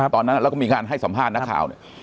ตอนนั้นเราก็มีงานให้สัมภาษณ์นักข่าว